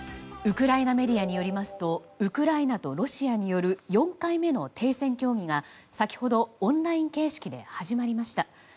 ウクライナメディアによりますとウクライナとロシアによる４回目の停戦協議が先ほどオンライン形式で始まりました。